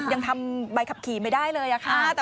ยังทำใบขับขี่ไม่ได้เลยค่ะ